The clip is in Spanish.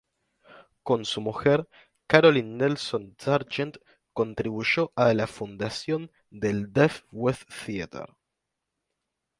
Con su mujer, Carolyn Nelson Sargent, contribuyó a la fundación del Deaf West Theatre.